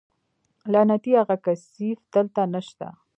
لعنتي اغه کثيف دلته نشته.